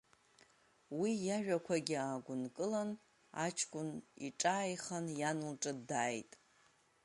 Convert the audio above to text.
Уи иажәақәагьы аагәынкылан, аҷкәын иҿааихан иан лҿы дааит.